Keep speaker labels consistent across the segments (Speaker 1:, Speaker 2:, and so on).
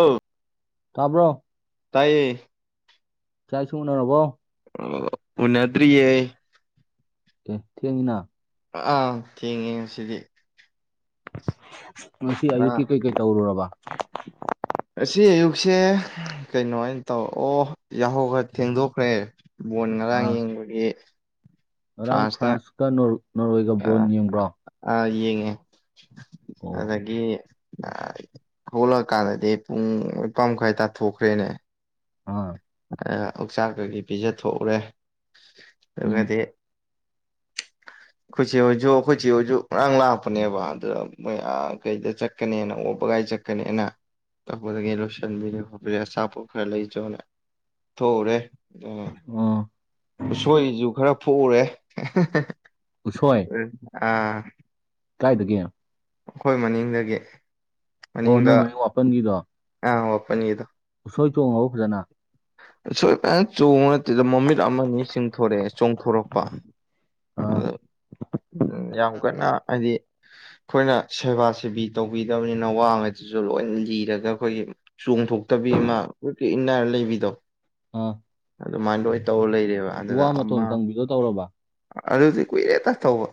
Speaker 1: ꯑꯧ
Speaker 2: ꯇꯥꯕ꯭ꯔꯣ
Speaker 1: ꯇꯥꯏꯌꯦ
Speaker 2: ꯆꯥꯛ ꯏꯁꯤꯡ ꯎꯅꯔꯕꯣ
Speaker 1: ꯑꯣ ꯎꯅꯗ꯭ꯔꯤꯌꯦ
Speaker 2: [unintelligible]
Speaker 1: ꯑꯥ ꯊꯦꯡꯉꯦ ꯉꯁꯤꯗꯤ
Speaker 2: ꯉꯁꯤ ꯑꯌꯨꯛꯀꯤ
Speaker 1: ꯉꯔꯥꯡ
Speaker 2: ꯀꯩꯀꯩ ꯇꯧꯔꯨꯔꯕ
Speaker 1: ꯁꯦ ꯀꯩꯅꯣ ꯑꯩꯅ ꯇꯧ ꯑꯣ ꯌꯥꯍꯧ ꯈꯔ ꯊꯦꯡꯗꯣꯛꯈ꯭ꯔꯦ ꯕꯣꯟ ꯉꯔꯥꯡ
Speaker 2: ꯑꯥ
Speaker 1: ꯌꯦꯡꯕꯒꯤ
Speaker 2: ꯉꯔꯥꯡ
Speaker 1: ꯐ꯭ꯔꯥꯟꯁꯇ
Speaker 2: ꯐ꯭ꯔꯥꯟꯁꯀ ꯅꯣꯔꯋꯦꯒ ꯕꯣꯟ
Speaker 1: ꯑꯥ
Speaker 2: ꯌꯦꯡꯕ꯭ꯔꯣ
Speaker 1: ꯑꯥ ꯌꯦꯡꯉꯦ
Speaker 2: ꯑꯣ
Speaker 1: ꯑꯗꯒꯤ ꯑ ꯊꯣꯛꯂꯛꯑꯀꯥꯟꯗꯗꯤ ꯄꯨꯡ ꯅꯤꯄꯥꯥꯟꯈꯥꯏ ꯇꯥꯊꯣꯛꯈ꯭ꯔꯦꯅꯦ
Speaker 2: ꯑꯥ
Speaker 1: ꯑ ꯑꯣꯛꯆꯥꯛ ꯀꯩꯀꯩ ꯄꯤꯖꯊꯣꯛꯎꯔꯦ
Speaker 2: ꯎꯝ
Speaker 1: ꯑꯗꯨꯒꯗꯤ
Speaker 2: [inaudible]
Speaker 1: ꯑꯩꯈꯣꯏꯆꯦ ꯍꯣꯏꯁꯨ ꯑꯈꯣꯏꯆꯦ ꯍꯣꯏꯁꯨ ꯉꯔꯥꯡ ꯂꯥꯛꯄꯅꯦꯕ ꯑꯗꯨꯗ ꯃꯣꯏ ꯑ ꯀꯩꯗ ꯆꯠꯀꯅꯤꯅ ꯋꯕꯒꯥꯏ ꯆ ꯆꯠꯀꯅꯦꯅ ꯇꯧꯕꯗꯒꯤ ꯂꯣꯏꯁꯤꯟꯕꯤꯔꯦ ꯈꯣꯠꯄꯤꯔꯦ ꯑꯆꯥꯄꯣꯠ ꯈꯔ ꯂꯩꯆꯣꯅ ꯊꯣꯛꯎꯔꯦ ꯑꯣ
Speaker 2: ꯑꯣ
Speaker 1: ꯎꯁꯣꯏꯁꯨ ꯈꯔ ꯊꯣꯛꯎꯔꯦ [inaudible]
Speaker 2: ꯎꯁꯣꯏ
Speaker 1: ꯑꯥ
Speaker 2: ꯀꯥꯏꯗꯒꯤ
Speaker 1: ꯑꯩꯈꯣꯏ ꯃꯅꯤꯡꯗꯒꯤ
Speaker 2: ꯑꯣ
Speaker 1: ꯃꯅꯤꯡꯗ
Speaker 2: ꯅꯣꯏ ꯃꯅꯤꯡ ꯋꯥꯄꯟꯒꯤꯗꯣ
Speaker 1: ꯑꯥ ꯋꯥꯠꯄꯟꯒꯤꯗꯣ
Speaker 2: ꯍꯣꯏ ꯇꯣꯡꯍꯧꯗ꯭ꯔꯦꯅ
Speaker 1: ꯎꯁꯣꯏ ꯐꯖꯟ ꯆꯣꯡꯕ ꯅꯠꯇꯦꯗ ꯃꯃꯤꯠ ꯑꯃꯅꯤ ꯆꯤꯡꯊꯣꯔꯛꯑꯦ ꯆꯣꯡꯊꯣꯔꯛꯄ
Speaker 2: ꯑꯥ
Speaker 1: ꯎꯝ ꯌꯥꯝ ꯀꯟꯅ ꯍꯥꯏꯗꯤ
Speaker 2: [inaudible]
Speaker 1: ꯑꯩꯈꯣꯏꯅ ꯁꯦꯕꯥ ꯁꯦꯕꯤ ꯇꯧꯕꯤꯗꯝꯅꯤꯅ ꯋꯥꯉꯩꯗꯨꯁꯨ ꯂꯣꯏꯅ ꯂꯤꯔꯒ ꯑꯩꯈꯣꯏꯒꯤ ꯆꯣꯡꯊꯣꯛꯇꯕꯤ [unintelligible] ꯀ꯭ꯔꯤꯛ ꯀ꯭ꯔꯤꯛ ꯏꯟꯅꯔ ꯂꯩꯕꯤꯗꯣ
Speaker 2: ꯑꯥ
Speaker 1: ꯑꯗꯨꯃꯥꯏꯅ ꯂꯣꯢ ꯇꯧꯔ ꯂꯩꯔꯦ ꯑꯗꯨꯗ
Speaker 2: ꯋꯥ ꯃꯇꯣꯟ
Speaker 1: ꯑꯃ
Speaker 2: ꯀꯪꯕꯤꯗꯣ ꯇꯧꯔꯕ
Speaker 1: ꯑꯗꯨꯗꯤ ꯀꯨꯏꯔꯦꯗ ꯇꯧꯕ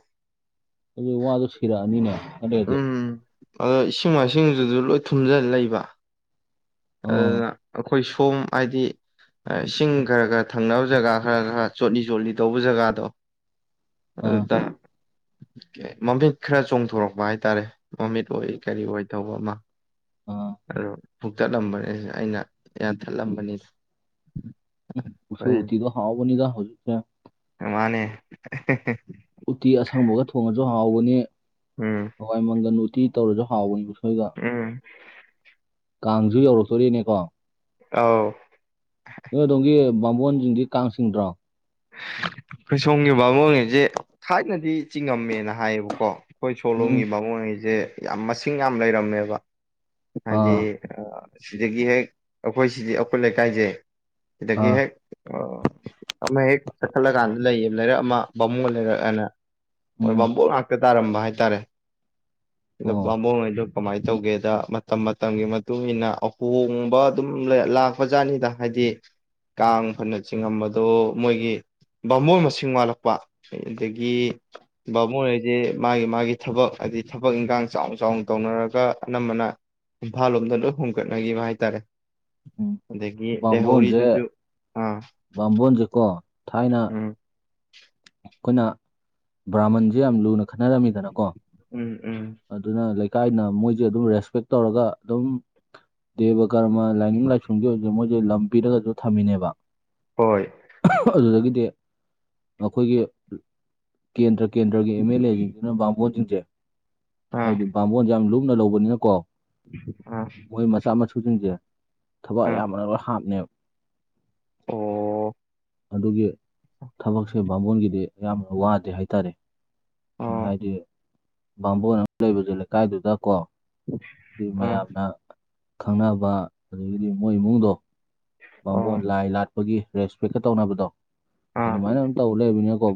Speaker 2: ꯑꯗꯨ ꯋꯥꯗꯣ ꯁꯤꯔꯛꯑꯅꯤꯅꯦ ꯈꯂꯩꯔꯗꯤ
Speaker 1: ꯎꯝ ꯑꯗꯣ ꯏꯁꯤꯡ ꯃꯥꯏꯁꯤꯡꯗꯨꯗ ꯂꯣꯏ ꯊꯨꯝꯖꯜꯂ ꯂꯩꯕ
Speaker 2: ꯑꯣ
Speaker 1: ꯑꯗꯨꯅ ꯑꯩꯈꯣꯏ ꯁꯣꯝ ꯍꯥꯏꯗꯤ ꯏꯁꯤꯡ ꯈꯔ ꯈꯔ ꯊꯪꯅꯕ ꯖꯒꯥ ꯈꯔ ꯈꯔ ꯆꯣꯠꯂꯤ ꯆꯣꯠꯂꯤ ꯇꯧꯕ ꯖꯒꯥꯗꯣ
Speaker 2: ꯑꯥ
Speaker 1: ꯑꯗꯨꯗ ꯃꯃꯤꯠ ꯈꯔ ꯆꯣꯡꯊꯣꯔꯛꯄ ꯍꯥꯏꯇꯥꯔꯦ ꯃꯃꯤꯠ ꯑꯣꯏ ꯀꯔꯤ ꯑꯣꯏ ꯇꯧꯕ ꯑꯃ
Speaker 2: ꯑꯥ
Speaker 1: ꯑꯗꯣ ꯐꯨꯛꯇꯠꯂꯝꯕꯅꯦ ꯑꯩꯅ ꯌꯥꯟꯊꯠꯂꯝꯕꯅꯤ
Speaker 2: ꯎꯁꯣꯏ
Speaker 1: ꯍꯣꯔꯦꯟ
Speaker 2: ꯎꯇꯤꯗꯣ ꯍꯥꯎꯕꯅꯤꯗ ꯍꯧꯖꯤꯛꯁꯦ
Speaker 1: ꯃꯥꯅꯦ [inaudible]
Speaker 2: ꯎꯇꯤ ꯑꯁꯪꯕꯒ ꯊꯣꯡꯉꯁꯨ ꯍꯥꯎꯕꯅꯤ
Speaker 1: ꯎꯝ
Speaker 2: ꯍꯋꯥꯏ ꯃꯪꯒꯜ ꯎꯇꯤ ꯇꯧꯔꯁꯨ ꯍꯥꯎꯕꯅꯤ ꯈꯣꯏꯒ
Speaker 1: ꯎꯝ
Speaker 2: ꯀꯥꯡꯁꯨ ꯌꯧꯔꯛꯇꯣꯔꯦꯅꯦꯀꯣ
Speaker 1: ꯑꯥꯎ
Speaker 2: ꯅꯣꯏ ꯑꯗꯣꯝꯒꯤ ꯕꯥꯝꯕꯣꯟꯁꯤꯡꯗꯤ ꯀꯥꯡꯆꯤꯡꯗ꯭ꯔꯣ
Speaker 1: ꯑꯩꯈꯣꯏꯁꯣꯝꯒꯤ ꯕꯥꯃꯣꯟꯈꯩꯁꯦ ꯊꯥꯏꯅꯗꯤ ꯆꯤꯡꯉꯝꯃꯦꯅ ꯍꯥꯏꯌꯦꯕꯀꯣ ꯑꯩꯈꯣꯏ
Speaker 2: ꯎꯝ
Speaker 1: ꯁꯣꯂꯣꯝꯒꯤ ꯕꯥꯃꯣꯟꯉꯩꯁꯦ ꯌꯥꯝ ꯃꯁꯤꯡ ꯌꯥꯝ ꯂꯩꯔꯝꯃꯦꯕ ꯍꯥꯏꯗꯤ
Speaker 2: ꯑꯥ
Speaker 1: ꯑ ꯁꯤꯗꯒꯤ ꯍꯦꯛ ꯑꯩꯈꯣꯏ ꯁꯤꯗꯤ ꯑꯩꯈꯣꯏ ꯂꯩꯀꯥꯏꯁꯦ ꯁꯤꯗꯒꯤ
Speaker 2: ꯑꯥ
Speaker 1: ꯍꯦꯛ ꯑ ꯆꯠꯈꯠꯂ ꯀꯥꯟꯗ ꯂꯩ ꯂꯩꯔꯛ ꯑꯃ ꯕꯥꯃꯣꯟ ꯂꯩꯔꯛꯑꯅ ꯃꯣꯏ
Speaker 2: ꯎꯝ
Speaker 1: ꯕꯥꯃꯣꯟ ꯉꯥꯛꯇ ꯇꯥꯔꯝꯕ ꯍꯥꯏꯇꯥꯔꯦ ꯑꯗꯣ
Speaker 2: ꯑꯣ
Speaker 1: ꯕꯥꯃꯣꯟꯉꯩꯗꯣ ꯀꯃꯥꯏꯅ ꯇꯧꯒꯦꯗ ꯃꯇꯝ ꯃꯇꯝꯒꯤ ꯃꯇꯨꯡꯏꯟꯅ ꯑꯍꯣꯡꯕ ꯑꯗꯨꯝ ꯂꯥꯛꯄ ꯖꯥꯠꯅꯤꯗ ꯍꯥꯏꯗꯤ ꯀꯤ ꯀꯥꯡ ꯐꯅ ꯆꯤꯡꯉꯝꯕꯗꯣ ꯃꯣꯏꯒꯤ ꯕꯥꯃꯣꯟ ꯃꯁꯤꯡ ꯋꯥꯠꯂꯛꯄ ꯑꯗꯒꯤ ꯕꯥꯃꯣꯟ ꯍꯥꯢꯗꯤ ꯃꯥꯒꯤ ꯃꯥꯒꯤ ꯊꯕꯛ ꯍꯥꯏꯗꯤ ꯊꯕꯛ ꯏꯟꯈꯥꯡ ꯆꯥꯎꯅ ꯆꯥꯎꯅ ꯇꯧꯅꯔꯒ ꯑꯅꯝꯕꯅ ꯏꯝꯐꯥꯜ ꯂꯣꯝꯗ ꯂꯣꯏ ꯍꯣꯡꯒꯠꯅꯈꯤꯕ ꯍꯥꯏꯇꯥꯔꯦ
Speaker 2: ꯎꯝ
Speaker 1: ꯑꯗꯒꯤ
Speaker 2: ꯕꯥꯝꯕꯣꯟꯖꯦ
Speaker 1: ꯂꯩꯍꯧꯔꯤꯗꯨꯁꯨ ꯑꯥ
Speaker 2: ꯕꯥꯝꯕꯣꯟꯖꯦꯀꯣ ꯊꯥꯏꯅ
Speaker 1: [inaudible]
Speaker 2: ꯑꯩꯈꯣꯏꯅ ꯕ꯭ꯔꯥꯃꯟꯁꯦ ꯌꯥꯝ ꯂꯨꯅ ꯈꯟꯅꯔꯝꯃꯤꯗꯅꯀꯣ
Speaker 1: ꯎꯝ ꯎꯝ
Speaker 2: ꯑꯗꯨꯅ ꯂꯩꯀꯥꯏꯅ ꯃꯣꯏꯁꯦ ꯑꯗꯨꯝ ꯔꯦꯁꯄꯦꯛ ꯇꯧꯔꯒ ꯑꯗꯨꯝ ꯗꯦꯕ ꯀꯔꯃ ꯂꯥꯏꯅꯤꯡ ꯂꯥꯏꯁꯣꯟꯒꯤ ꯑꯣꯏꯁꯨ ꯃꯣꯏꯁꯦ ꯂꯝ ꯄꯤꯔꯒꯁꯗꯨ ꯊꯝꯃꯤꯅꯦꯕ
Speaker 1: ꯍꯣꯏ
Speaker 2: ꯑꯗꯨꯗꯒꯤꯗꯤ ꯑꯩꯈꯣꯏꯒꯤ ꯀꯦꯟꯗ꯭ꯔ ꯀꯦꯟꯗ꯭ꯔꯒꯤ ꯑꯦꯝ ꯑꯦꯜ ꯑꯦ ꯁꯤꯡꯁꯤꯅ ꯕꯥꯃꯣꯟꯁꯤꯡꯁꯦ
Speaker 1: ꯑꯥ
Speaker 2: ꯍꯥꯏꯗꯤ ꯕꯥꯝꯕꯣꯟꯖꯦ ꯌꯥꯝ ꯂꯨꯝꯅ ꯂꯧꯕꯅꯤꯅꯀꯣ
Speaker 1: ꯑꯥ
Speaker 2: ꯃꯣꯏ ꯃꯆꯥ ꯃꯁꯨꯁꯤꯡꯁꯦ ꯊꯕꯛ
Speaker 1: ꯑꯥ
Speaker 2: ꯑꯌꯥꯝꯕꯅ ꯂꯣꯏ ꯍꯥꯞꯅꯦꯕ
Speaker 1: ꯑꯣ
Speaker 2: ꯑꯗꯨꯒꯤ ꯊꯕꯛꯁꯦ ꯕꯥꯕꯣꯟꯒꯤꯗꯤ ꯌꯥꯝ ꯋꯥꯗꯦ ꯍꯥꯏꯇꯥꯔꯦ
Speaker 1: ꯑꯣ
Speaker 2: ꯍꯥꯏꯗꯤ ꯕꯥꯝꯕꯣꯟ ꯑꯃ ꯂꯩꯕꯁꯦ ꯂꯩꯀꯥꯏꯗꯨꯗꯀꯣ ꯗꯨ
Speaker 1: ꯑꯥ
Speaker 2: ꯃꯌꯥꯝꯅ ꯈꯪꯅꯕ ꯑꯗꯒꯤꯗꯤ ꯃꯣꯏ ꯏꯃꯨꯡꯗꯣ
Speaker 1: ꯑꯣ
Speaker 2: ꯕꯥꯃꯣꯟ ꯂꯥꯏ ꯂꯥꯠꯄꯒꯤ ꯔꯦꯁꯄꯦꯛꯀ ꯇꯧꯅꯕꯗꯣ
Speaker 1: ꯑꯥ
Speaker 2: ꯑꯗꯨꯃꯥꯏꯅ ꯑꯗꯨꯝ ꯇꯧ ꯂꯩꯕꯅꯤꯅꯀꯣ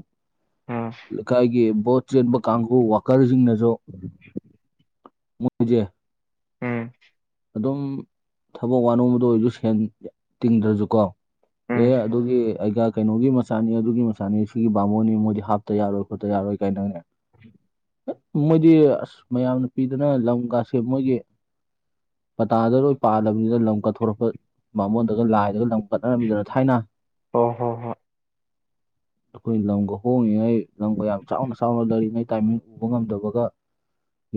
Speaker 1: ꯑꯥ
Speaker 2: ꯂꯩꯀꯥꯢꯒꯤ ꯕꯣꯠ ꯆꯦꯟꯕ ꯀꯥꯡꯕꯨꯨ ꯋꯥꯀꯔꯁꯤꯡꯅꯁꯨ ꯃꯣꯏꯖꯦ
Speaker 1: ꯎꯝ
Speaker 2: ꯑꯗꯨꯝ ꯊꯕꯛ ꯋꯥꯅꯣꯝꯕꯗ ꯑꯣꯏꯔꯁꯨ ꯁꯦꯟ ꯇꯤꯡꯗ꯭ꯔꯁꯨꯀꯣ
Speaker 1: ꯎꯝ
Speaker 2: ꯑꯦ ꯑꯗꯨꯒꯤ ꯑꯩꯒ ꯀꯩꯅꯣꯒꯤ ꯃꯆꯥꯅꯤ ꯑꯗꯨꯒꯤ ꯃꯆꯥꯅꯤ ꯁꯤꯒꯤ ꯕꯥꯃꯣꯟꯅꯤ ꯃꯣꯏꯗꯤ ꯍꯥꯞꯇ ꯌꯥꯔꯣꯏ ꯈꯣꯠꯇ ꯌꯥꯔꯣꯏ ꯀꯥꯏꯅꯅꯦ ꯃꯣꯏꯗꯤ ꯑꯁ ꯃꯌꯥꯝꯅ ꯄꯤꯗꯅ ꯂꯝꯒꯥꯁꯦ ꯃꯣꯏꯒꯤ ꯄꯇꯥꯗ ꯂꯣꯏ ꯄꯥꯜꯂꯕꯅꯤꯗ ꯂꯝ ꯀꯠꯊꯣꯔꯛꯄ ꯕꯥꯃꯣꯟꯗꯒ ꯂꯥꯏꯗꯒ ꯂꯝ ꯀꯠꯅꯔꯝꯃꯤꯗꯅ ꯊꯥꯏꯅ
Speaker 1: ꯍꯣ ꯍꯣ ꯍꯣꯏ
Speaker 2: ꯑꯩꯈꯣꯏ ꯂꯝꯒ ꯍꯣꯡꯉꯤꯉꯩ ꯂꯝꯒ ꯌꯥꯝ ꯆꯥꯎꯅ ꯆꯥꯎꯅ ꯂꯩꯔꯤꯉꯩ ꯇꯥꯏꯃꯤꯡ ꯎꯕ ꯉꯝꯗꯕꯒ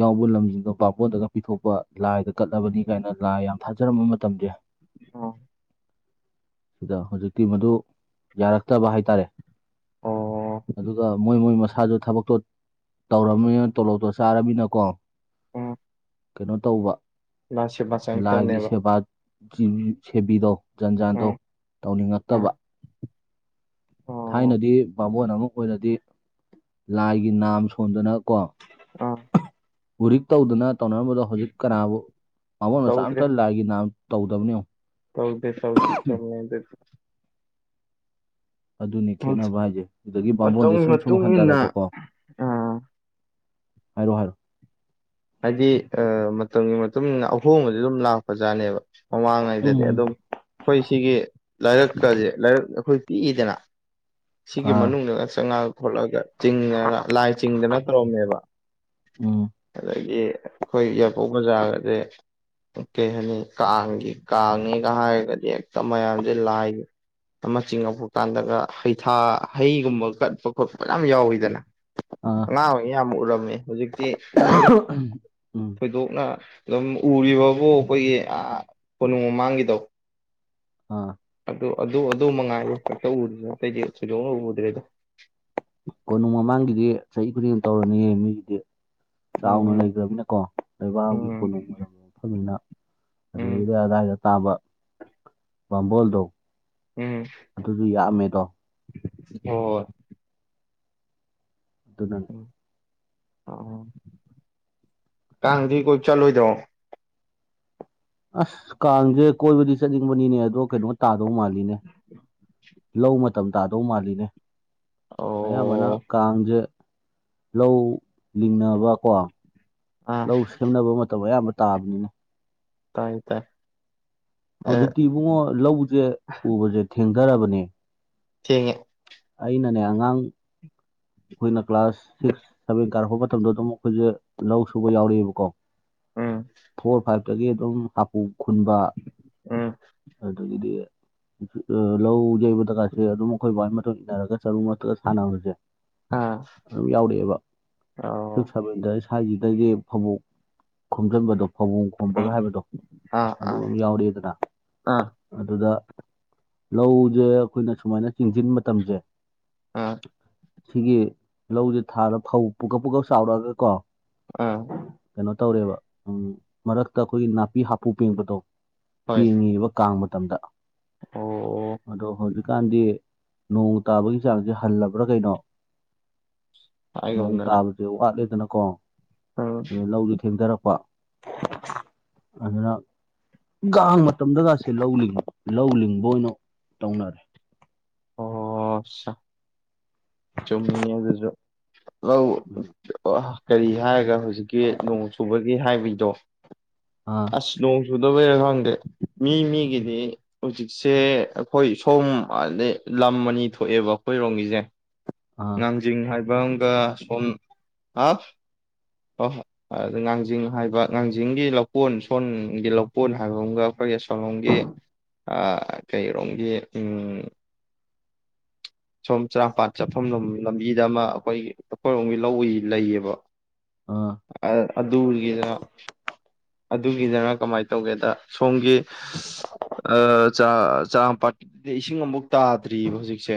Speaker 2: ꯌꯥꯎꯕ ꯂꯝꯁꯤꯡꯗꯣ ꯕꯥꯃꯣꯟꯗꯒ ꯄꯤꯊꯣꯛꯄ ꯂꯥꯏꯗ ꯀꯠꯂꯕꯅꯤ ꯀꯥꯏꯅ ꯂꯥꯏ ꯌꯥꯝ ꯊꯥꯖꯔꯝꯕ ꯃꯇꯝꯁꯦ
Speaker 1: ꯑ
Speaker 2: ꯁꯤꯗ ꯍꯧꯖꯤꯛꯇꯤ ꯃꯗꯨ ꯌꯥꯔꯛꯇꯕ ꯍꯥꯏꯇꯥꯔꯦ
Speaker 1: ꯑꯣ
Speaker 2: ꯑꯗꯨꯒ ꯃꯣꯏ ꯃꯣꯏ ꯃꯁꯥ ꯁꯥꯗꯣ ꯊꯕꯛꯇꯣ ꯇꯧꯔꯃꯤꯅ ꯇꯣꯂꯣꯞꯇꯣ ꯆꯥꯔꯝꯅꯤꯅꯀꯣ
Speaker 1: ꯎꯝ
Speaker 2: ꯀꯩꯅꯣ ꯇꯧꯕ
Speaker 1: ꯅꯪ ꯁꯦꯕꯥ
Speaker 2: ꯂꯥꯏꯒꯤ
Speaker 1: ꯆꯪꯉꯛꯇꯕꯅꯦꯕ
Speaker 2: ꯁꯦꯕ ꯖꯤ ꯁꯦꯕꯤꯗꯣ ꯖꯟ ꯖꯥꯟꯗꯣ
Speaker 1: ꯎꯝ ꯎꯝ
Speaker 2: ꯇꯧꯅꯤꯡꯉꯛꯇꯕ
Speaker 1: ꯑꯣ
Speaker 2: ꯊꯥꯏꯅꯗꯤ ꯕꯥꯕꯣꯟ ꯑꯃ ꯑꯣꯏꯔꯗꯤ ꯂꯥꯏꯒꯤ ꯅꯥꯝ ꯁꯣꯟꯗꯅ ꯀꯣ
Speaker 1: ꯑꯥ
Speaker 2: ꯎꯔꯤꯛ ꯇꯧꯗꯅ ꯇꯧꯅꯔꯝꯕꯗꯣ ꯍꯧꯖꯤꯛ ꯀꯅꯥꯕꯨ ꯕꯃꯣꯟ ꯃꯆꯥ
Speaker 1: ꯇꯧꯗ꯭ꯔꯦ
Speaker 2: ꯑꯃꯇ ꯂꯥꯏꯒꯤ ꯅꯥꯝ ꯇꯧꯗꯕꯅꯦ ꯌꯦꯡꯉꯣ
Speaker 1: ꯇꯧꯗꯦ ꯇꯧꯗꯦ [unintelligible]
Speaker 2: ꯑꯗꯨꯅꯤ ꯈꯦꯠꯅꯕ ꯍꯥꯏꯁꯦ ꯑꯗꯒꯤ ꯕꯕꯣꯟꯁꯦ
Speaker 1: ꯃꯇꯝꯒꯤ
Speaker 2: ꯁꯨꯝ ꯁꯨꯝ
Speaker 1: ꯃꯇꯨꯡ ꯏꯟꯅ
Speaker 2: ꯍꯟꯗꯔꯕꯀꯣ
Speaker 1: ꯑꯥ
Speaker 2: ꯍꯥꯏꯔꯣ ꯍꯥꯏꯔꯣ
Speaker 1: ꯍꯥꯏꯗꯤ ꯑ ꯃꯇꯝꯒꯤ ꯃꯇꯨꯡ ꯏꯟꯅ ꯑꯍꯣꯡꯕꯁꯦ ꯑꯗꯨꯝ ꯂꯥꯛꯄꯖꯥꯠꯅꯦꯕ ꯃꯃꯥꯡꯉꯩꯗꯗꯤ
Speaker 2: ꯎꯝ
Speaker 1: ꯑꯗꯨꯝ ꯑꯩꯈꯣꯏ ꯁꯤꯒꯤ ꯂꯥꯏꯔꯛꯀꯁꯦ ꯂꯥꯏꯔꯛ ꯑꯩꯈꯣꯏ ꯄꯤꯛꯏꯗꯅ ꯁꯤꯒꯤ
Speaker 2: ꯑꯥ
Speaker 1: ꯃꯅꯨꯡꯗ ꯆꯥꯉꯥ ꯈꯣꯠꯂꯒ ꯆꯤꯡꯉꯅ ꯂꯥꯏ ꯆꯤꯡꯗꯅ ꯇꯧꯔꯝꯃꯦꯕ
Speaker 2: ꯎꯝ
Speaker 1: ꯗꯒꯤ ꯑꯩꯈꯣꯏ ꯌꯥꯏꯔꯤꯄꯣꯛ ꯕꯖꯥꯔꯒꯁꯦ ꯀꯩ ꯍꯥꯏꯅꯤ ꯀꯥꯡꯒꯤ ꯀꯥꯡꯅꯦꯒ ꯍꯥꯏꯔꯒꯗꯤ ꯍꯦꯛꯇ ꯃꯌꯥꯝꯁꯦ ꯂꯥꯏꯒꯤ ꯑꯃ ꯆꯤꯡꯉꯛꯄ ꯀꯥꯟꯗꯒ ꯍꯩꯊꯥ ꯍꯩꯒꯨꯝꯕ ꯀꯠꯄ ꯈꯣꯠꯄ ꯃꯌꯥꯝ ꯌꯥꯎꯋꯤꯗꯅ
Speaker 2: ꯑꯥ
Speaker 1: ꯑꯉꯥꯡ ꯑꯣꯏ ꯌꯥꯝ ꯎꯔꯝꯃꯦ ꯍꯧꯖꯤꯛꯇꯤ ꯎꯗ꯭ꯔꯦ
Speaker 2: [inaudible]
Speaker 1: ꯊꯣꯏꯗꯣꯛꯅ ꯑꯗꯨꯝ ꯎꯔꯤꯕꯕꯨ ꯑꯩꯈꯣꯏꯒꯤ ꯑꯥ ꯀꯣꯅꯨꯡ ꯃꯃꯥꯡꯒꯤꯗꯣ
Speaker 2: ꯑꯥ
Speaker 1: ꯑꯗꯨ ꯑꯗꯨ ꯑꯗꯨ ꯃꯉꯥꯏꯔꯦ ꯈꯛꯇ ꯎꯔꯤꯕ ꯑꯇꯩꯗꯤ ꯊꯣꯏꯗꯣꯛꯅ ꯎꯗ꯭ꯔꯦꯗ
Speaker 2: ꯀꯣꯅꯨꯡ ꯃꯃꯥꯡꯒꯤꯗꯤ ꯆꯍꯤ ꯈꯨꯗꯤꯡ ꯇꯧꯔꯤꯅꯦ ꯃꯤꯒꯤꯗꯤ ꯆꯥꯎꯅ
Speaker 1: ꯎꯝ
Speaker 2: ꯂꯩꯈ꯭ꯔꯕꯅꯤꯅꯀꯣ ꯂꯩꯕꯥꯛ ꯑꯃꯒꯤ
Speaker 1: ꯎꯝ
Speaker 2: ꯀꯣꯅꯨꯡ ꯑꯣꯏꯔꯝꯕ ꯃꯐꯝꯅꯤꯅ
Speaker 1: ꯎꯝ
Speaker 2: ꯑꯗꯨꯗꯩꯩꯗꯤ ꯑꯗꯥꯏꯗ ꯇꯥꯕ ꯕꯥꯝꯃꯣꯜꯗꯣ
Speaker 1: ꯎꯝ
Speaker 2: ꯑꯗꯨꯗꯤ ꯌꯥꯝꯃꯦꯀꯣ
Speaker 1: ꯍꯣꯏ
Speaker 2: ꯑꯗꯨꯅ
Speaker 1: ꯑ ꯀꯥꯡꯗꯤ ꯀꯣꯏ ꯆꯠꯂꯣꯏꯗ꯭ꯔꯣ
Speaker 2: ꯑꯁ ꯀꯥꯡꯁꯦ ꯀꯣꯏꯕꯗꯤ ꯆꯠꯅꯤꯡꯕꯅꯤꯅꯦ ꯑꯗꯣ ꯀꯩꯅꯣ ꯇꯥꯗꯧ ꯃꯥꯜꯂꯤꯅꯦ ꯂꯧ ꯃꯇꯝ ꯇꯥꯗꯧ ꯃꯥꯜꯂꯤꯅꯦ ꯑꯌꯥꯝꯕꯅ
Speaker 1: ꯑꯣ
Speaker 2: ꯀꯥꯡꯁꯦ ꯂꯧ ꯂꯤꯡꯅꯕꯀꯣ
Speaker 1: ꯑꯥ
Speaker 2: ꯂꯧ ꯁꯦꯝꯅꯕ ꯃꯇꯝ ꯑꯌꯥꯝꯕ ꯇꯥꯕꯅꯤꯅꯦ
Speaker 1: ꯇꯥꯏꯌꯦ ꯇꯥꯏ ꯑꯦ
Speaker 2: ꯍꯧꯖꯤꯛꯇꯤ ꯏꯕꯨꯡꯉꯣ ꯂꯧꯁꯦ ꯎꯕꯁꯦ ꯊꯦꯡꯗꯔꯕꯅꯦ
Speaker 1: ꯊꯦꯡꯉꯦ
Speaker 2: ꯑꯩꯅꯅꯦ ꯑꯉꯥꯡ ꯑꯩꯈꯣꯏꯅ ꯀ꯭ꯂꯥꯁ ꯁꯤꯛꯁ ꯁꯚꯦꯟ ꯀꯥꯔꯛꯄ ꯃꯇꯝꯗ ꯑꯗꯨꯝ ꯑꯩꯈꯣꯏꯁꯦ ꯂꯧ ꯁꯨꯕ ꯌꯥꯎꯔꯛꯑꯦꯕꯀꯣ
Speaker 1: ꯎꯝ
Speaker 2: ꯐꯣꯔ ꯐꯥꯏꯚꯇꯒꯤ ꯑꯗꯨꯝ ꯍꯥꯞꯄꯨ ꯈꯨꯟꯕ
Speaker 1: ꯎꯝ
Speaker 2: ꯑꯗꯒꯤꯗꯤ ꯂꯧ ꯌꯩꯕꯗꯀꯥꯁꯦ ꯑꯗꯨꯝ ꯑꯩꯈꯣꯏ ꯕꯥꯏ ꯃꯇꯨꯡ ꯏꯟꯅꯔꯒ ꯆꯔꯨ ꯃꯊꯛꯇ ꯁꯥꯟꯅꯕꯁꯦ
Speaker 1: ꯑꯥ
Speaker 2: ꯑꯗꯨꯝ ꯌꯥꯎꯔꯛꯑꯦꯕ ꯁꯤꯛꯁ
Speaker 1: ꯑꯣ
Speaker 2: ꯁꯕꯦꯟꯗ ꯁ꯭ꯋꯥꯏꯁꯤꯗꯗꯒꯤ ꯐꯧꯕꯣꯛ ꯈꯣꯝꯖꯟꯕꯗꯣ ꯐꯕꯣꯡ ꯈꯣꯝꯕꯒ
Speaker 1: ꯑꯥ
Speaker 2: ꯍꯥꯏꯕꯗꯣ
Speaker 1: ꯑꯥ
Speaker 2: ꯑꯗꯨ
Speaker 1: ꯑꯥ
Speaker 2: ꯑꯝ ꯌꯥꯎꯔꯛꯑꯦꯗꯅ
Speaker 1: ꯑꯥ
Speaker 2: ꯑꯗꯨꯗ ꯂꯧꯁꯦ ꯑꯩꯈꯣꯏꯅ ꯁꯨꯃꯥꯏꯅ ꯆꯤꯡꯖꯤꯟ ꯃꯇꯝꯁꯦ
Speaker 1: ꯑꯥ
Speaker 2: ꯁꯤꯒꯤ ꯂꯧꯁꯦ ꯊꯥꯔ ꯐꯧ ꯄꯨꯀꯛ ꯄꯨꯀꯛ ꯆꯥꯎꯔꯛꯑꯒ ꯀꯣ
Speaker 1: ꯑꯥ
Speaker 2: ꯀꯩꯅꯣ ꯇꯧꯔꯦꯕ ꯎꯝ ꯃꯔꯛꯇ ꯑꯩꯈꯣꯏꯒꯤ ꯅꯥꯄꯤ ꯍꯥꯄꯨ ꯄꯦꯡꯕꯗꯣ
Speaker 1: ꯍꯣꯏ
Speaker 2: ꯄꯦꯡꯉꯤꯕ ꯀꯥꯡ ꯃꯇꯝꯗ
Speaker 1: ꯑꯣ
Speaker 2: ꯑꯗꯣ ꯍꯧꯖꯤꯛꯀꯥꯟꯗꯤ ꯅꯣꯡ ꯇꯥꯕꯒꯤ ꯆꯥꯡꯁꯦ ꯍꯜꯂꯕ꯭ꯔ ꯀꯩꯅꯣ ꯅꯣꯡ
Speaker 1: ꯍꯥꯏꯒꯨꯝꯗꯅ
Speaker 2: ꯇꯥꯕꯁꯦ ꯋꯥꯠꯂꯦꯗꯅꯀꯣ
Speaker 1: ꯎꯝ
Speaker 2: ꯑꯗꯨ ꯂꯧꯁꯦ ꯊꯦꯡꯊꯔꯛꯄ [inaudible] ꯑꯗꯨꯅ ꯒꯥꯡ ꯃꯇꯝꯗꯒꯥꯁꯦ ꯂꯧ ꯂꯤꯡꯕ ꯂꯧ ꯂꯤꯡꯕ ꯑꯣꯏꯅ ꯇꯧꯅꯔꯦ
Speaker 1: ꯑꯣ ꯑꯠꯁꯥ ꯆꯨꯝꯃꯤꯅꯦ ꯑꯗꯨꯁꯨ ꯂꯧ
Speaker 2: ꯎꯝ
Speaker 1: ꯀꯔꯤ ꯍꯥꯏꯔꯒ ꯍꯧꯖꯤꯛꯀꯤ ꯅꯣꯡ ꯆꯨꯕꯒꯤ ꯍꯥꯏꯕꯩꯗꯣ
Speaker 2: ꯑꯥ
Speaker 1: ꯑꯁ ꯅꯣꯡ ꯆꯨꯗꯕ ꯆꯌꯤꯔꯣꯔ ꯈꯪꯗꯦ ꯃꯤ ꯃꯤꯒꯤꯗꯤ ꯍꯧꯖꯤꯛꯁꯦ ꯑꯩꯈꯣꯏ ꯁꯣꯝ ꯑꯗꯩ ꯂꯝ ꯑꯅꯤ ꯊꯣꯛꯑꯦꯕ ꯑꯩꯈꯣꯏꯔꯣꯝꯒꯤꯁꯦ
Speaker 2: ꯑꯥ
Speaker 1: ꯉꯥꯡꯖꯤꯡ ꯍꯥꯏꯕ ꯕꯝꯒ ꯁꯣꯟ ꯍꯥꯐ ꯍ ꯍꯣꯏ ꯑꯗꯨ ꯉꯥꯡꯖꯤꯡ ꯍꯥꯏꯕ ꯉꯥꯡꯖꯤꯡꯒꯤ ꯂꯧꯀꯣꯟ ꯁꯣꯟꯒꯤ ꯂꯧꯀꯣꯟ ꯍꯥꯏꯕ ꯑꯃꯒ ꯑꯩꯈꯣꯏ ꯁꯥꯂꯣꯝꯒꯤ ꯑꯥ ꯀꯩꯔꯣꯝꯒꯤ ꯎꯝ ꯁꯣꯝ ꯆꯔꯥꯡꯄꯥꯠ ꯆꯠꯐꯝꯂꯣꯝ ꯂꯝꯕꯤꯗ ꯑꯃ ꯑꯩꯈꯣꯏ ꯑꯩꯈꯣꯏꯔꯣꯝꯒꯤ ꯂꯧ ꯂꯩꯌꯦꯕ
Speaker 2: ꯑꯥ
Speaker 1: ꯑ ꯑꯗꯨꯒꯤꯗ ꯑꯗꯨꯒꯤꯗꯅ ꯀꯃꯥꯏꯅ ꯇꯧꯒꯦꯗ ꯁꯣꯝꯒꯤ ꯑ ꯆꯥ ꯆꯥꯔꯥꯡ ꯄꯥꯠꯇꯤ ꯏꯁꯤꯡ ꯑꯝꯕꯨꯛ ꯇꯥꯗ꯭ꯔꯤꯕ ꯍꯧꯖꯤꯛꯁꯦ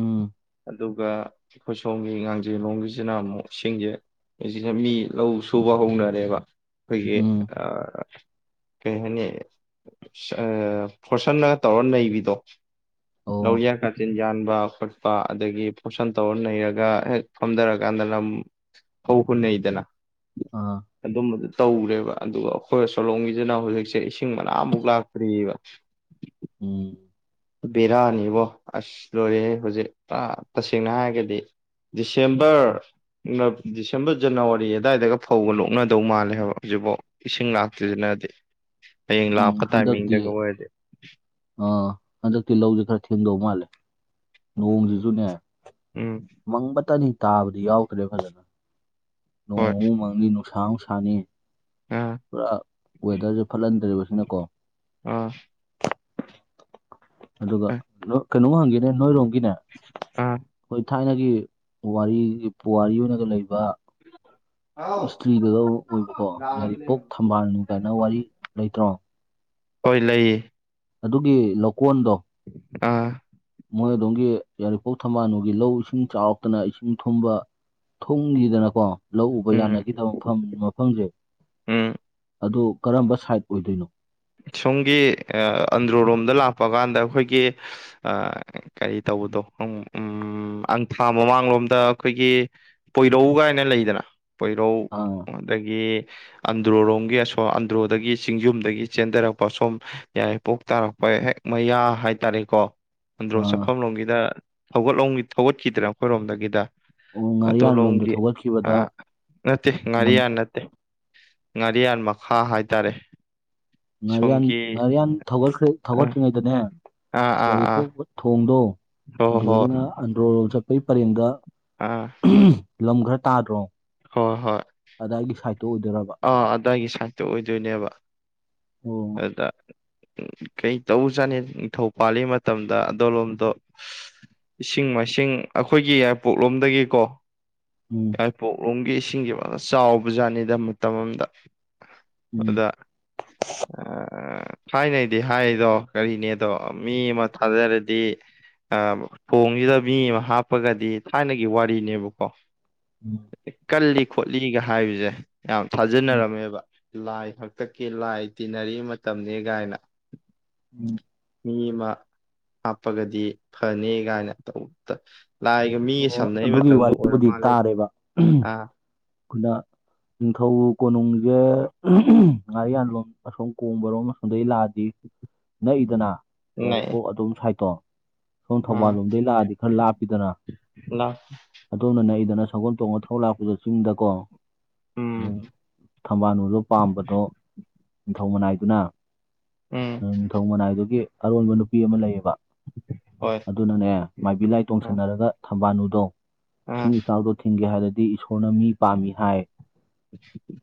Speaker 2: ꯎꯝ
Speaker 1: ꯑꯗꯨꯒ ꯑꯩꯈꯣꯏꯁꯣꯝꯒꯤ ꯉꯥꯡꯖꯤꯡ ꯂꯣꯝꯒꯤꯁꯤꯅ ꯑꯃꯨꯛ ꯁꯤꯡꯁꯦ ꯑꯩꯁꯤꯗ ꯃꯤ ꯂꯧ ꯁꯨꯕ ꯍꯧꯅꯔꯦꯕ ꯑꯩꯈꯣꯏꯒꯤ
Speaker 2: ꯎꯝ
Speaker 1: ꯑ ꯀꯩ ꯍꯥꯏꯅꯤ ꯑ ꯐꯣꯔꯁꯟꯅꯒ ꯇꯧꯔ ꯅꯩꯕꯤꯗꯣ
Speaker 2: ꯑꯣ
Speaker 1: ꯂꯧꯌꯥꯟ ꯀꯥꯆꯤꯟ ꯌꯥꯟꯕ ꯈꯣꯠꯄ ꯑꯗꯒꯤ ꯄꯣꯁꯟ ꯇꯧꯔ ꯅꯩꯔꯒ ꯍꯦꯛ ꯐꯝꯊꯔ ꯀꯥꯟꯗ ꯂꯝ ꯍꯧꯕ ꯅꯩꯗꯅ
Speaker 2: ꯑꯥ
Speaker 1: ꯑꯗꯨꯝꯕ ꯇꯧꯔꯦꯕ ꯑꯗꯨ ꯑꯩꯈꯣꯏ ꯑꯁꯣꯂꯣꯝꯒꯤꯗꯅ ꯍꯧꯖꯤꯛꯁꯦ ꯏꯁꯤꯡ ꯃꯅꯥꯃꯨꯛ ꯂꯥꯛꯇ꯭ꯔꯤꯌꯦꯕ
Speaker 2: ꯎꯝ
Speaker 1: ꯕꯦꯔꯥꯅꯤꯕꯣ ꯑꯁ ꯂꯣꯏꯔꯦꯍꯦ ꯍꯧꯖꯤꯛ ꯑ ꯇꯁꯦꯡꯅ ꯍꯥꯏꯔꯒꯗꯤ ꯗꯤꯁꯦꯝꯕꯔ ꯎ ꯗꯤꯁꯦꯝꯕꯔ ꯖꯅꯋꯥꯔꯤ ꯑꯗꯥꯏꯗꯒ ꯐꯧꯒ ꯂꯣꯛꯅꯗꯧ ꯃꯥꯜꯂꯦ ꯍꯥꯏꯕ ꯍꯧꯖꯤꯛꯐꯥꯎ ꯏꯁꯤꯡ ꯂꯥꯛꯇ꯭ꯔꯤꯗꯨꯅꯗꯤ ꯍꯌꯦꯡ ꯂꯥꯛꯄ ꯇꯥꯏꯃꯤꯡꯗꯒ ꯑꯣꯏꯔꯗꯤ
Speaker 2: ꯑ ꯍꯟꯗꯛꯇꯤ ꯂꯧꯖꯦ ꯈꯔ ꯊꯦꯡꯗꯧ ꯃꯥꯜꯂꯦ
Speaker 1: ꯎꯝ
Speaker 2: ꯅꯣꯡꯁꯤꯁꯨꯅꯦ
Speaker 1: ꯎꯝ
Speaker 2: ꯃꯪꯕꯇꯅꯤ ꯇꯥꯕꯗꯤ ꯌꯥꯎꯗ꯭ꯔꯦ ꯐꯖꯅ
Speaker 1: ꯍꯣꯏ
Speaker 2: ꯅꯣꯡꯃꯨꯛ ꯃꯪꯅꯤ ꯅꯨꯡꯁꯥ ꯃꯨꯛ ꯁꯥꯅꯤ
Speaker 1: ꯑꯥ
Speaker 2: ꯄꯨꯔꯥ ꯋꯦꯗꯔꯁꯦ ꯐꯠꯍꯟꯗ꯭ꯔꯦꯕꯁꯤꯅꯀꯣ
Speaker 1: ꯑꯥ
Speaker 2: ꯑꯗꯨꯒ ꯀꯦꯅꯣ ꯀꯩꯅꯣꯝ ꯍꯪꯒꯦꯅꯦ ꯅꯣꯏꯔꯣꯝꯒꯤꯅꯦ
Speaker 1: ꯑꯥ
Speaker 2: ꯑꯩꯈꯣꯏ ꯊꯥꯏꯅꯒꯤ ꯄꯨꯋꯥꯔꯤꯒꯤ ꯄꯨꯋꯥꯔꯤ ꯑꯣꯏꯅꯒ ꯂꯩꯕ
Speaker 1: ꯑꯥ
Speaker 2: ꯏꯁꯇ꯭ꯔꯤꯗꯒ ꯑꯣꯏꯕꯀꯣ ꯌꯥꯏꯔꯤꯄꯣꯛ ꯊꯝꯕꯥꯜꯅꯨ ꯀꯥꯏꯅ ꯋꯥꯔꯤ ꯂꯩꯇ꯭ꯔꯣ
Speaker 1: ꯍꯣꯏ ꯂꯩꯌꯦ
Speaker 2: ꯑꯗꯨꯒꯤ ꯂꯧꯀꯣꯟꯗꯣ
Speaker 1: ꯑꯥ
Speaker 2: ꯃꯣꯏ ꯑꯗꯣꯝꯒꯤ ꯌꯥꯏꯔꯤꯄꯣꯛ ꯊꯝꯕꯥꯜꯅꯨꯒꯤ ꯂꯧ ꯏꯁꯤꯡ ꯆꯥꯎꯔꯛꯇꯅ ꯏꯁꯤꯡ ꯊꯨꯝ ꯊꯨꯝꯈꯤꯗꯅꯀꯣ ꯂꯧ ꯎꯕ
Speaker 1: ꯎꯝ
Speaker 2: ꯌꯥꯅꯈꯤꯗꯕ ꯃꯐꯝ ꯃꯐꯝꯖꯦ
Speaker 1: ꯎꯝ
Speaker 2: ꯑꯗꯨ ꯀꯔꯝꯕ ꯁꯥꯏꯠ ꯑꯣꯏꯗꯣꯏꯅꯣ
Speaker 1: ꯁꯣꯝꯒꯤ ꯑ ꯑꯟꯗ꯭ꯔꯣꯔꯣꯝꯗ ꯂꯥꯛꯄ ꯀꯥꯟꯗ ꯑꯩꯈꯣꯏꯒꯤ ꯑ ꯀꯔꯤ ꯇꯧ ꯇꯧꯕ ꯎꯝ ꯑꯪꯊꯥ ꯃꯃꯥꯡꯂꯣꯝꯗ ꯑꯩꯈꯣꯏꯒꯤ ꯄꯣꯏꯔꯧ ꯀꯥꯏꯅ ꯂꯩꯗꯅ ꯄꯣꯏꯔꯧ
Speaker 2: ꯑꯥ
Speaker 1: ꯑꯗꯒꯤ ꯑꯟꯗ꯭ꯔꯔꯣꯝꯒꯤ ꯑꯁꯣ ꯑꯟꯗ꯭ꯔꯣꯗꯒꯤ ꯆꯤꯡꯖꯨꯝꯗꯒꯤ ꯆꯦꯟꯗꯔꯛꯄ ꯁꯣꯝ ꯌꯥꯏꯔꯤꯄꯣꯛ ꯇꯥꯔꯛꯄ ꯍꯦꯛ ꯃꯌꯥ ꯍꯥꯏꯇꯔꯦꯀꯣ ꯑꯟꯗ꯭ꯔꯣ
Speaker 2: ꯑꯥ
Speaker 1: ꯆꯠꯐꯝ ꯂꯣꯝꯒꯤꯗ ꯊꯧꯒꯠꯂꯣꯝꯒꯤ ꯊꯧꯒꯠꯈꯤꯗ꯭ꯔ ꯑꯩꯈꯣꯏꯔꯣꯝꯗꯒꯤꯗ
Speaker 2: ꯑꯣ ꯉꯥꯔꯤꯌꯥꯟ ꯂꯣꯝꯗ
Speaker 1: ꯑꯗꯣꯂꯣꯝꯒꯤ ꯑ
Speaker 2: ꯊꯧꯒꯠꯈꯤꯕꯗ
Speaker 1: ꯅꯠꯇꯦ
Speaker 2: ꯂꯝ
Speaker 1: ꯉꯥꯔꯤꯌꯥꯟ ꯅꯠꯇꯦ ꯉꯥꯔꯤꯌꯥꯟ ꯃꯈꯥ ꯍꯥꯏꯇꯥꯔꯦ
Speaker 2: ꯉꯥꯔꯤꯌꯥꯟ
Speaker 1: ꯁꯣꯝꯒꯤ
Speaker 2: ꯉꯥꯔꯤꯌꯥꯟ ꯊꯧꯒꯠꯈ꯭ꯔꯦ
Speaker 1: ꯑꯥ
Speaker 2: ꯊꯧꯒꯠꯇ꯭ꯔꯤꯉꯩꯗꯅꯦ
Speaker 1: ꯑꯥ ꯑꯥ ꯑꯥ
Speaker 2: ꯌꯥꯏꯔꯤꯄꯣꯛ ꯊꯣꯡꯗꯣ
Speaker 1: ꯍꯣꯏ
Speaker 2: ꯑꯗꯨꯗꯒꯤꯅ
Speaker 1: ꯍꯣꯏ
Speaker 2: ꯑꯟꯗ꯭ꯔꯣ ꯆꯠꯄꯩ ꯄꯔꯦꯡꯗ
Speaker 1: ꯑꯥ
Speaker 2: ꯂꯝ ꯈꯔ ꯇꯥꯗ꯭ꯔꯣ
Speaker 1: ꯍꯣꯏ ꯍꯣꯏ
Speaker 2: ꯑꯗꯥꯏꯒꯤ ꯁꯥꯏꯠ
Speaker 1: ꯑꯥ ꯑꯗꯥꯏꯒꯤ ꯁꯥꯏꯠꯇꯣ ꯑꯣꯏꯗꯣꯏꯅꯦꯕ
Speaker 2: ꯑꯣ
Speaker 1: ꯑꯗ ꯎ ꯀꯩ ꯇꯧ ꯆꯥꯅꯤ ꯅꯤꯡꯊꯧ ꯄꯥꯜꯂꯤ ꯃꯇꯝꯗ ꯑꯗꯣꯂꯣꯝꯗꯣ ꯏꯁꯤꯡ ꯃꯥꯏꯁꯤꯡ ꯑꯩꯈꯣꯏꯒꯤ ꯌꯥꯏꯄꯣꯛꯂꯣꯝꯗꯒꯤꯀꯣ
Speaker 2: ꯎꯝ
Speaker 1: ꯌꯥꯏꯄꯣꯛꯂꯣꯝꯒꯤ ꯏꯁꯤꯡꯖꯦ ꯐꯖꯟ ꯆꯥꯎꯕ ꯖꯥꯠꯅꯤꯗ ꯃꯇꯝ ꯑꯃꯗ
Speaker 2: ꯎꯝ
Speaker 1: ꯑꯗꯨꯗ ꯑ ꯍꯥꯏꯅꯩꯗꯤ ꯍꯥꯏꯗꯣ ꯀꯔꯤꯅꯦꯗꯣ ꯃꯤ ꯑꯃ ꯊꯥꯖꯔꯗꯤ ꯑ ꯊꯣꯡꯁꯤꯗ ꯃꯤ ꯑꯃ ꯍꯥꯞꯄꯒꯗꯤ ꯊꯥꯏꯅꯒꯤ ꯋꯥꯔꯤꯅꯦꯕꯀꯣ
Speaker 2: ꯎꯝ
Speaker 1: ꯀꯜꯂꯤ ꯈꯣꯠꯂꯤꯒ ꯍꯥꯏꯕꯁꯦ ꯌꯥꯝ
Speaker 2: ꯎꯝ
Speaker 1: ꯊꯥꯖꯅꯔꯝꯃꯦꯕ ꯂꯥꯏ ꯍꯥꯛꯇꯛꯀꯤ ꯂꯥꯏ ꯇꯤꯟꯅꯔꯤ ꯃꯇꯝꯅꯦ ꯀꯥꯏꯅ
Speaker 2: ꯎꯝ
Speaker 1: ꯃꯥ ꯍꯥꯞꯄꯒꯗꯤ ꯐꯅꯤ ꯀꯥꯏꯅ ꯇꯧꯇ ꯂꯥꯏꯒ ꯃꯤꯒ
Speaker 2: ꯑꯣ
Speaker 1: ꯁꯝꯅꯩ
Speaker 2: ꯑꯗꯨꯒꯤ
Speaker 1: ꯃꯇꯝꯗꯣ ꯑꯣꯏꯔ
Speaker 2: ꯋꯥꯔꯤꯕꯨꯗꯤ
Speaker 1: ꯃꯥꯜꯂꯦꯗ ꯑ
Speaker 2: ꯈꯨꯟꯗ ꯅꯤꯡꯊꯧ ꯀꯣꯅꯨꯡꯖꯧ ꯉꯥꯔꯤꯌꯥꯟꯂꯣꯝ ꯑꯁꯣꯝ ꯀꯣꯡꯕꯔꯣꯝ ꯑꯁꯣꯝꯗꯒꯤ ꯂꯥꯛꯑ ꯅꯛꯏꯗꯅ
Speaker 1: ꯅꯛꯑꯦ
Speaker 2: ꯌꯥꯏꯔꯤꯄꯣꯛ ꯑꯗꯨꯝ ꯁꯥꯏꯠꯇꯣ ꯁꯣꯝ ꯊꯧꯕꯥꯜ
Speaker 1: ꯑꯥ
Speaker 2: ꯂꯣꯝꯗꯒꯤ ꯂꯥꯛꯑꯗꯤ ꯈꯔ ꯂꯥꯞꯄꯤꯗꯅ
Speaker 1: ꯂꯥ
Speaker 2: ꯑꯗꯣꯝꯅ ꯅꯛꯏꯗꯅ ꯁꯒꯣꯜ ꯇꯣꯡꯉ ꯊꯧꯔ ꯂꯥꯛꯄꯗꯣ ꯆꯤꯡꯗꯀꯣ
Speaker 1: ꯎꯝ
Speaker 2: ꯊꯝꯕꯥꯜꯅꯨꯗꯣ ꯄꯥꯝꯕꯗꯣ ꯅꯤꯡꯊꯧ ꯃꯅꯥꯏꯗꯨꯅ
Speaker 1: ꯎꯝ
Speaker 2: ꯅꯤꯡꯊꯧ ꯃꯅꯥꯏꯗꯨꯒꯤ ꯑꯔꯣꯟꯕ ꯅꯨꯄꯤ ꯑꯃ ꯂꯩꯌꯦꯕ
Speaker 1: ꯍꯣꯏ
Speaker 2: ꯑꯗꯨꯅꯅꯦ ꯃꯥꯏꯕꯤ ꯂꯥꯏ
Speaker 1: ꯑꯥ
Speaker 2: ꯇꯣꯡꯁꯟꯅꯔꯒ ꯊꯝꯕꯥꯜꯅꯨꯗꯣ
Speaker 1: ꯑꯥ
Speaker 2: ꯏꯁꯤꯡ ꯏꯆꯥꯎꯗꯣ ꯊꯤꯡꯒꯦ ꯍꯥꯏꯔꯗꯤ ꯏꯁꯣꯔꯅ ꯃꯤ ꯄꯥꯝꯃꯤ ꯍꯥꯏ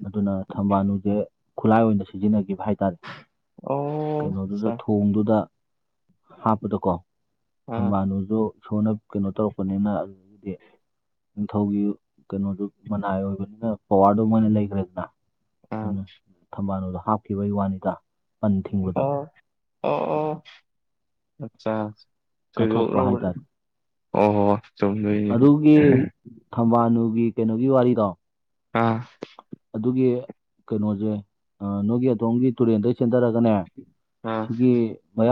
Speaker 2: ꯑꯗꯨꯅ ꯊꯝꯕꯥꯜꯅꯨꯁꯦ ꯈꯨꯠꯂꯥꯏ ꯑꯣꯏꯅ ꯁꯤꯖꯤꯟꯅꯈꯤꯕ ꯍꯥꯏꯇꯥꯔꯦ
Speaker 1: ꯑꯣ
Speaker 2: ꯀꯩꯅꯣꯗꯨꯗ
Speaker 1: ꯑꯆꯥ
Speaker 2: ꯊꯣꯡꯗꯨꯗ ꯍꯥꯞꯄꯗꯀꯣ
Speaker 1: ꯑꯥ
Speaker 2: ꯊꯝꯕꯥꯜꯅꯨꯁꯨ ꯏꯁꯣꯔꯅ ꯀꯩꯅꯣ ꯇꯧꯔꯛꯄꯅꯤꯅ ꯑꯗꯨꯗꯤ ꯅꯤꯡꯊꯧꯒꯤ ꯀꯩꯅꯣꯗꯨ ꯃꯅꯥꯏ ꯑꯣꯏꯕꯅꯤꯅ ꯄꯋꯔꯗꯨ ꯃꯣꯏꯅ ꯂꯩꯈ꯭ꯔꯦꯗꯅ
Speaker 1: ꯑꯥ
Speaker 2: ꯑꯗꯨꯅ ꯊꯝꯕꯥꯜꯅꯨꯗꯣ ꯍꯥꯞꯈꯤꯕꯒꯤ ꯋꯥꯅꯤꯗ ꯄꯟ ꯊꯤꯡꯕꯗ
Speaker 1: ꯑꯣ ꯑꯣ ꯑꯣ ꯑꯆꯥ
Speaker 2: ꯀꯠꯊꯣꯛꯄ ꯍꯥꯏ ꯇꯥꯔꯦ
Speaker 1: [unintelligible] ꯑꯣ ꯍꯣ ꯍꯣ ꯆꯨꯝꯗꯣꯏꯅꯦ
Speaker 2: ꯑꯗꯨꯒꯤ ꯊꯝꯕꯥꯜꯅꯨꯒꯤ ꯀꯩꯅꯣꯒꯤ ꯋꯥꯔꯤꯗꯣ ꯑꯗꯨꯒꯤ ꯀꯩꯅꯣꯁꯦ ꯅꯣꯏꯒꯤ ꯑꯗꯣꯝꯒꯤ ꯇꯨꯔꯦꯟꯗꯩ ꯆꯦꯟꯗꯔꯛꯑꯒꯅꯦ
Speaker 1: ꯑꯥ
Speaker 2: ꯁꯤꯒꯤ ꯃꯌꯥ